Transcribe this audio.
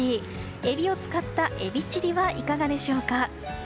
エビを使ったエビチリはいかがでしょうか？